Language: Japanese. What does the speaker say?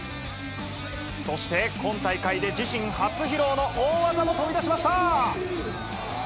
そして、今大会で自身初披露の大技も飛び出しました。